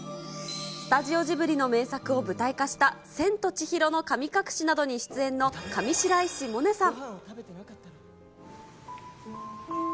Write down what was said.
スタジオジブリの名作を舞台化した千と千尋の神隠しなどに出演の上白石萌音さん。